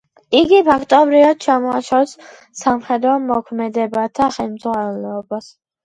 იგი, ფაქტობრივად, ჩამოაშორეს სამხედრო მოქმედებათა ხელმძღვანელობას.